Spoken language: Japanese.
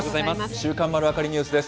週刊まるわかりニュースです。